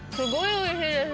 おいしいです！